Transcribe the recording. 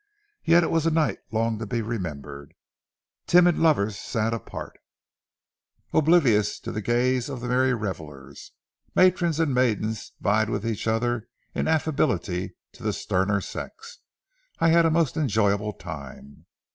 Yet it was a night long to be remembered. Timid lovers sat apart, oblivious to the gaze of the merry revelers. Matrons and maidens vied with each other in affability to the sterner sex. I had a most enjoyable time.